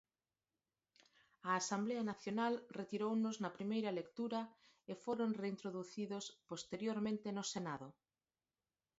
A Asemblea Nacional retirounos na primeira lectura e foron reintroducidos posteriormente no Senado.